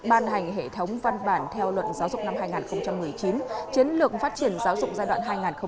ban hành hệ thống văn bản theo luận giáo dục năm hai nghìn một mươi chín chiến lược phát triển giáo dục giai đoạn hai nghìn một mươi chín hai nghìn hai mươi